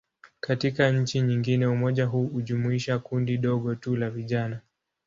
Katika nchi nyingine, umoja huu hujumuisha kundi dogo tu la vijana.